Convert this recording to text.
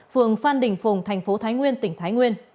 phường phan đình phùng tp thái nguyên tỉnh thái nguyên